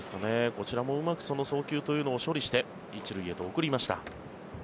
こちらもうまくその送球を処理して１塁へと送りました。